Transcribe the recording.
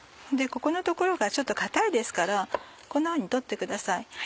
ここの所がちょっと硬いですからこんなふうに取ってください。